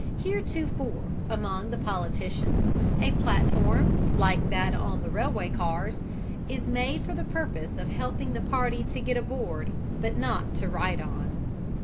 Heretofore among the politicians a platform, like that on the railway cars, "is made for the purpose of helping the party to get aboard, but not to ride on."